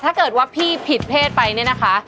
ถ้าเกิดว่าพี่ผิดเพศไปเนี่ยนะคะ